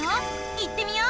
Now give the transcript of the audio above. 行ってみよう！